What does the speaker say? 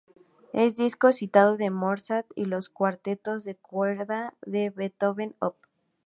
El disco citado de Mozart y los Cuartetos de Cuerda de Beethoven Opp.